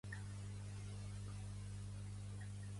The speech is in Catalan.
si no voleu delinqüents no els creeu